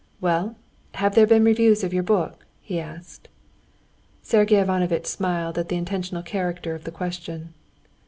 "Well, have there been reviews of your book?" he asked. Sergey Ivanovitch smiled at the intentional character of the question.